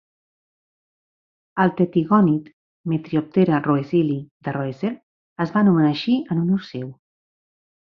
El tetigònid "Metrioptera roeseli" de Roesel es va anomenar així en honor seu.